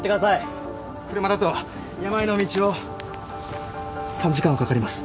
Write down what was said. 車だと山あいの道を３時間はかかります。